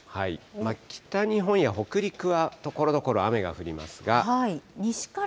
北日本や北陸はところどころ雨が降りますが。